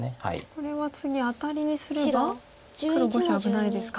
これは次アタリにすれば黒５子危ないですか。